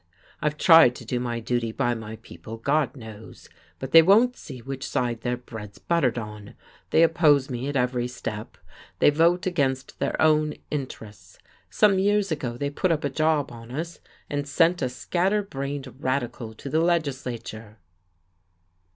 "I've tried to do my duty by my people, God knows. But they won't see which side their bread's buttered on. They oppose me at every step, they vote against their own interests. Some years ago they put up a job on us, and sent a scatter brained radical to the legislature."